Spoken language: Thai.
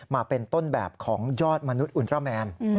มาเป็นต้นแบบของยอดมนุษย์อุตราแมน